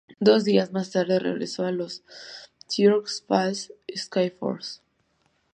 Dos días más tarde, regresó a los Sioux Falls Skyforce.